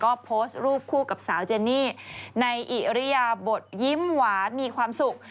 ก็โพสต์รูปคู่กับสาวเจนี่ในอิริยาบทยิ้มหวานมีความสุข